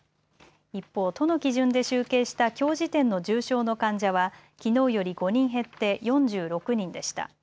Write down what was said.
一方、都の基準で集計したきょう時点の重症の患者はきのうより５人減って４６人でした。